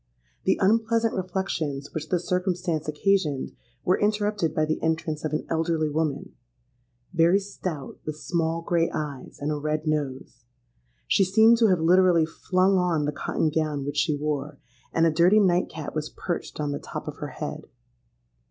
The unpleasant reflections which this circumstance occasioned were interrupted by the entrance of an elderly woman,—very stout, with small grey eyes, and a red nose. She seemed to have literally flung on the cotton gown which she wore; and a dirty night cap was perched on the top of her head.